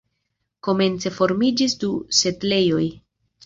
Komence formiĝis du setlejoj.